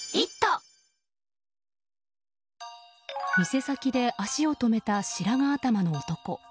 店先で足を止めた白髪頭の男。